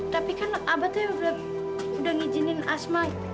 tapi kan abah tuh udah ngizinin asma